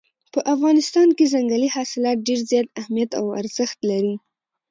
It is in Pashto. په افغانستان کې ځنګلي حاصلات ډېر زیات اهمیت او ارزښت لري.